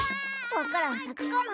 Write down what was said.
わか蘭さくかな？